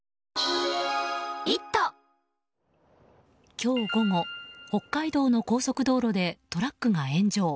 今日午後、北海道の高速道路でトラックが炎上。